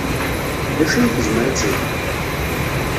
D acu ay tezmer ad teg?